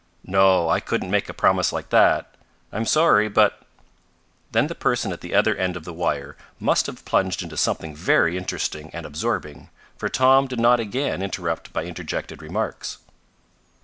No, I couldn't make a promise like that. I'm sorry, but " Then the person at the other end of the wire must have plunged into something very interesting and absorbing, for Tom did not again interrupt by interjected remarks.